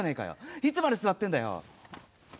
いつまで座ってんだよ。